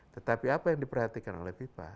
tetapi apa yang diperhatikan oleh fifa